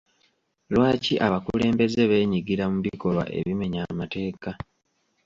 Lwaki abakulembeze beenyigira mu bikolwa ebimenya amateeka?